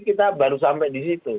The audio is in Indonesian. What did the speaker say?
kita baru sampai di situ